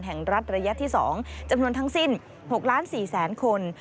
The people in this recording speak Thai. แห่งรัฐระยะที่๒จำนวนทั้งสิ้น๖ล้าน๔แสนคน